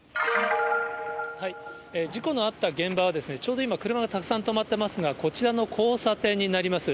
事故のあった現場は、ちょうど今車がたくさん止まってますが、こちらの交差点になります。